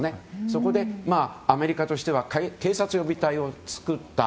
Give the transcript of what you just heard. そこでアメリカとしては警察予備隊を作った。